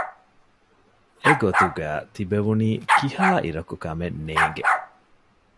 އެގޮތުގައި ތިބެވުނީ ކިހާއިރަކު ކަމެއް ނޭނގެ